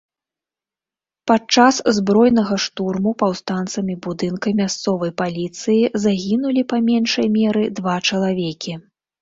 Падчас збройнага штурму паўстанцамі будынка мясцовай паліцыі загінулі па меншай меры два чалавекі.